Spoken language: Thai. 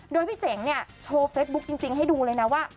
โดยพี่เจ๋งเนี่ยโชว์เฟซบุ๊คจริงให้ดูเลยนะว่า